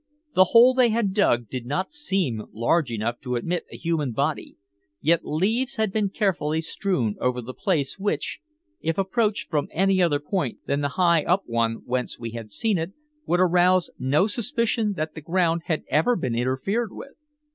The hole they had dug did not seem large enough to admit a human body, yet leaves had been carefully strewn over the place which, if approached from any other point than the high up one whence we had seen it, would arouse no suspicion that the ground had ever been interfered with.